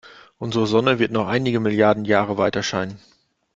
Unsere Sonne wird noch einige Milliarden Jahre weiterscheinen.